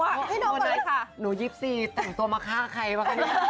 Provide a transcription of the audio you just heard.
วันนี้ค่ะหนูยิบซีแต่งตัวมาฆ่าใครวะ